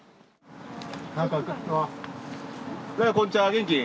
こんにちは、元気？